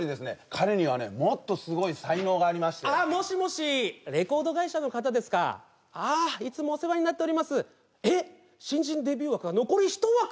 彼にはねもっとすごい才能がありましてあもしもしレコード会社の方ですかああいつもお世話になっておりますえっ新人デビュー枠は残り１枠？